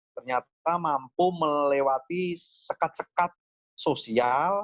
ternyata mampu melewati sekat sekat sosial